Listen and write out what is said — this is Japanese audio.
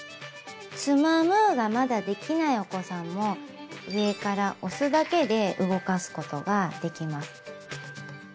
つまむがまだできないお子さんも上から押すだけで動かすことができます。